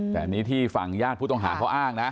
แต่อันนี้ที่ฝั่งญาติผู้ต้องหาเขาอ้างนะ